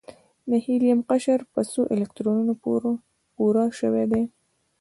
د هیلیم قشر په څو الکترونونو پوره شوی دی؟